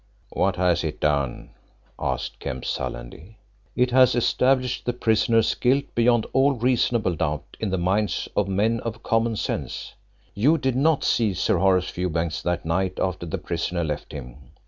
"What has it done?" asked Kemp sullenly. "It has established the prisoner's guilt beyond all reasonable doubt in the minds of men of common sense. You did not see Sir Horace Fewbanks that night after the prisoner left him.